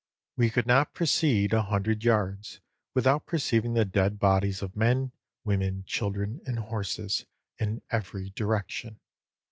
'We could not proceed a hundred yards without perceiving the dead bodies of men, women, children, and horses, in every direction.